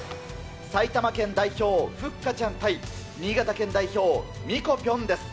埼玉県代表、ふっかちゃん対新潟県代表、ミコぴょんです。